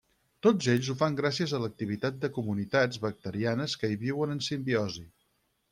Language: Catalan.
Tots ells ho fan gràcies a l'activitat de comunitats bacterianes que hi viuen en simbiosi.